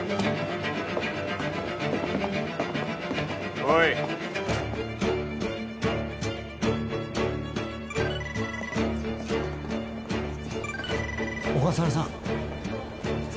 ・おい小笠原さん